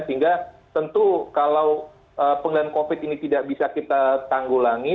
sehingga tentu kalau pengelolaan covid ini tidak bisa kita tanggulangi